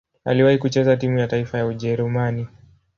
Aliwahi kucheza timu ya taifa ya Ujerumani.